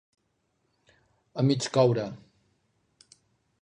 A mig coure.